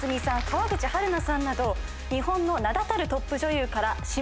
川口春奈さんなど日本の名だたるトップ女優から指名率